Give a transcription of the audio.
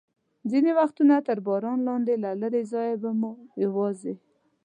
ځینې وختونه تر باران لاندې، له لرې ځایه به مو یوازې.